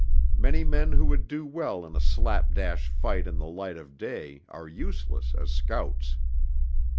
Many men who would do well in a slap dash fight in the light of day are useless as scouts.